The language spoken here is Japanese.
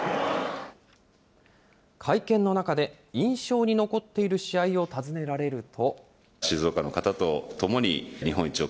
会見の中で、印象に残っている試合を尋ねられると。